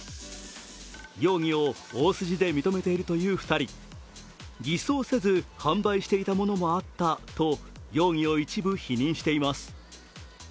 容疑を大筋で認めているという２人偽装せず販売していたものもあったと容疑を一部否認しています。